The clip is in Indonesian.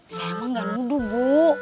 saya emang gak luduh bu